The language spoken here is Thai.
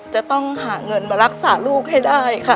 จะต้องหาเงินมารักษาลูกให้ได้ค่ะ